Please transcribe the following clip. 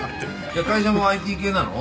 会社もＩＴ系なの？